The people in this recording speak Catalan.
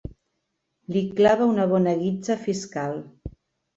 Li clava una bona guitza fiscal.